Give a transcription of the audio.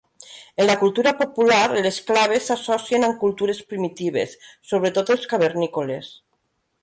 En la cultura popular, les claves s'associen amb cultures primitives, sobretot els cavernícoles.